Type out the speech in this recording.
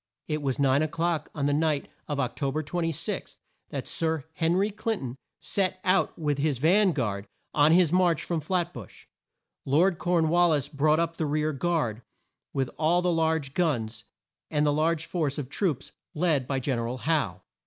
It was nine o'clock on the night of Oc to ber 26, that Sir Hen ry Clin ton set out with his van guard, on his march from Flat bush. Lord Corn wal lis brought up the rear guard with all the large guns, and the large force of troops led by Gen er al Howe.